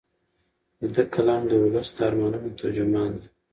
د ده قلم د ولس د ارمانونو ترجمان دی.